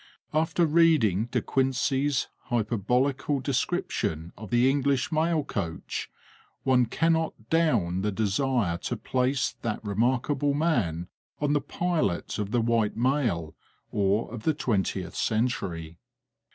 After reading De Quincey's hyperbolical description of the English mail coach, one cannot down the desire to place that remarkable man on the pilot of the White Mail or of the Twentieth Century.